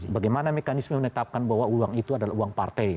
bagaimana mekanisme menetapkan bahwa uang itu adalah uang partai